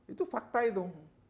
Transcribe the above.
itu fakta itu